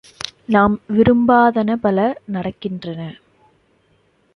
நாம் விரும்பாதன பல நடக்கின்றன!